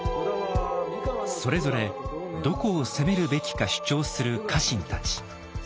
それぞれどこを攻めるべきか主張する家臣たち。